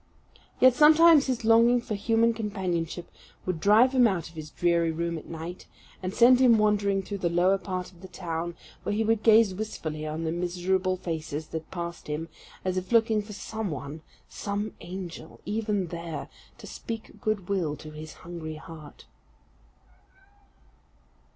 Yet sometimes his longing for human companionship would drive him out of his dreary room at night, and send him wandering through the lower part of the town, where he would gaze wistfully on the miserable faces that passed him, as if looking for some one some angel, even there to speak goodwill to his hungry heart.